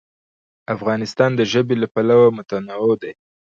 افغانستان د ژبې له پلوه متنوع دی.